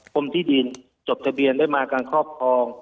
กลมทิศดินจบทะเบียนได้มาเกิดข้อพรอง